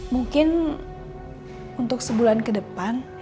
mungkin untuk sebulan kedepan